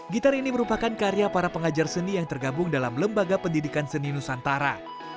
gitar ini merupakan karya para pengajar seni yang tergabung dalam lembaga pendidikan seni nusantara